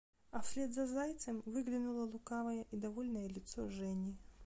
А вслед за зайцем выглянуло лукавое и довольное лицо Жени.